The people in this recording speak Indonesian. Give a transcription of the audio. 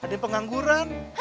ada yang pengangguran